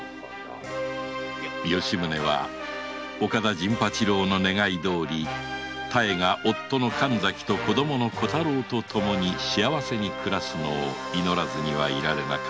吉宗は岡田陣八郎の願いどおり妙が夫の神崎と子供の小太郎とともに幸せに暮らすのを祈らずにはいられなかった